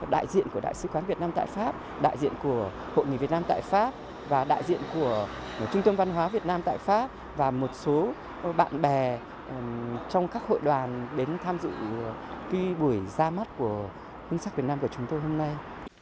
đại diện của đại sứ quán việt nam tại pháp đại diện của hội người việt nam tại pháp và đại diện của trung tâm văn hóa việt nam tại pháp và một số bạn bè trong các hội đoàn đến tham dự buổi ra mắt của hương sắc việt nam của chúng tôi hôm nay